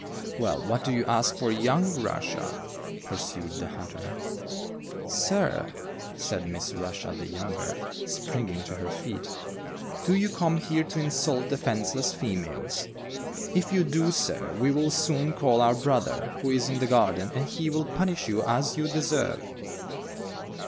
"Well, what do you ask for young Russia?" pursued the hatter. "Sir," said Miss Rushia the younger, springing to her feet, "do you come here to insult defenceless females? If you do, sir, we will soon call our brother, who is in the garden, and he will punish you as you deserve."